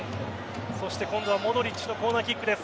そして今度はモドリッチのコーナーキックです。